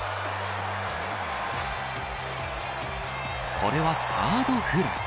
これはサードフライ。